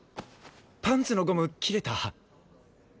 パンツのゴム切れた。